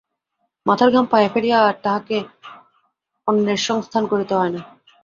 মাথার ঘাম পায়ে ফেলিয়া আর তাঁহাকে অন্নের সংস্থান করিতে হয় না।